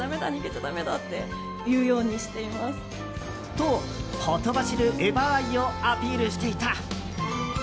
と、ほとばしる「エヴァ」愛をアピールしていた。